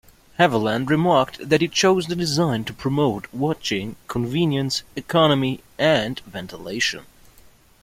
Haviland remarked that he chose the design to promote "watching, convenience, economy, and ventilation".